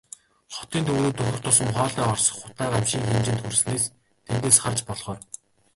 Хотын төв рүү дөхөх тусам хоолой хорсгох утаа гамшгийн хэмжээнд хүрснийг тэндээс харж болохоор.